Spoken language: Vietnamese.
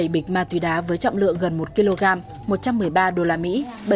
chín mươi bảy bịch ma túy đá với trọng lượng gần một kg một trăm một mươi ba usd